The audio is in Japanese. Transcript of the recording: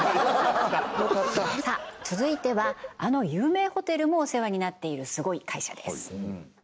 よかったさあ続いてはあの有名ホテルもお世話になっているすごい会社です